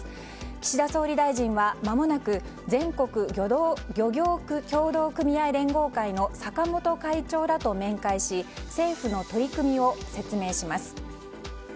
岸田総理大臣はまもなく全国漁業協同組合連合会の坂本会長らと面会し政府の取り組みを説明します。